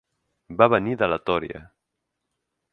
Va venir de la tòria.